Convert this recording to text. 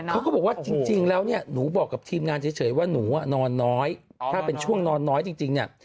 เขาก็บอกว่าจริงแล้วเนี่ยหนูบอกกับทีมงานเฉยว่าหนูนอนน้อยถ้าเป็นช่วงนอนน้อยจริงเนี่ย